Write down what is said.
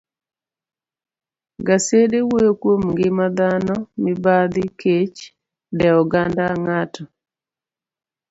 gasede wuoyo kuom ngima dhano, mibadhi, kech, dewo oganda ng'ato,